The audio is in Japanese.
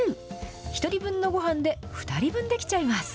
１人分のごはんで２人分出来ちゃいます。